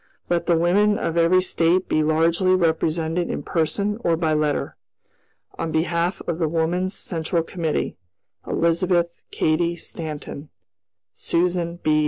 "Let the women of every State be largely represented in person or by letter. "On behalf of the Woman's Central Committee, "Elizabeth Cady Stanton, "Susan B.